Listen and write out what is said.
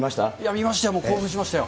見ました、興奮しましたよ。